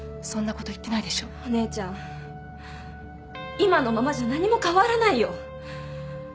今のままじゃ何も変わらないよ